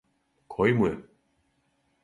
Који му је?